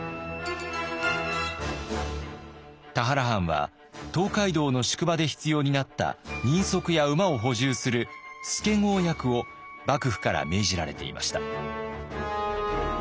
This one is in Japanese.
田原藩は東海道の宿場で必要になった人足や馬を補充する助郷役を幕府から命じられていました。